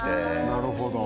なるほど。